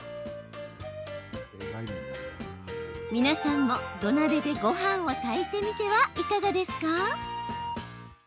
皆さんも土鍋でごはんを炊いてみてはいかがですか？